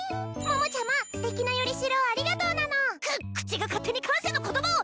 桃ちゃまステキなよりしろをありがとうなのく口が勝手に感謝の言葉を！